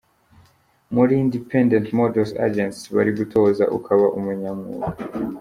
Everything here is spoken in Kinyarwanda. Muri Independent Models Agency baragutoza ukaba umunyamwuga.